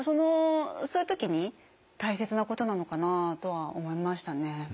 そういう時に大切なことなのかなとは思いましたね。